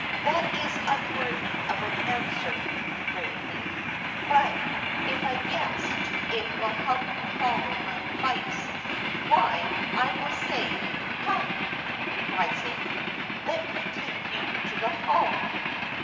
"That is unworthy of an answer," gravely; "but if a 'yes' to it will help you to follow my advice, why, I will say it. Come," rising, "let me take you to the hall."